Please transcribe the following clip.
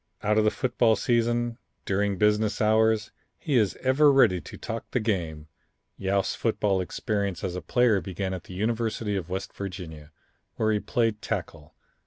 Out of the football season, during business hours, he is ever ready to talk the game. Yost's football experience as a player began at the University of West Virginia, where he played tackle.